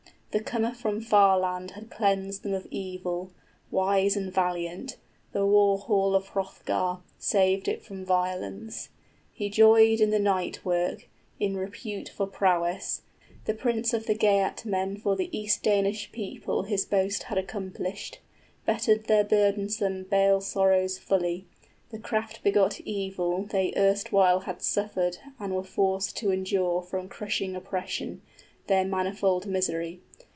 The comer from far land had cleansed then of evil, 35 Wise and valiant, the war hall of Hrothgar, Saved it from violence. He joyed in the night work, In repute for prowess; the prince of the Geatmen For the East Danish people his boast had accomplished, Bettered their burdensome bale sorrows fully, 40 The craft begot evil they erstwhile had suffered And were forced to endure from crushing oppression, Their manifold misery.